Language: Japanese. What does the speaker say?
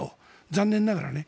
残念ながらね。